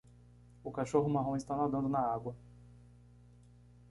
O cachorro marrom está nadando na água